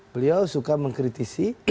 beliau suka mengkritisi